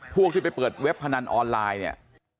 พวกที่ไปเปิดเว็บพนันออนไลน์เนี่ย